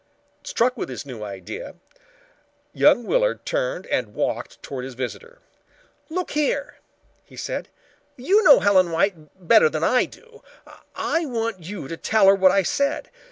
Struck with a new idea, young Willard turned and walked toward his visitor. "Look here," he said. "You know Helen White better than I do. I want you to tell her what I said.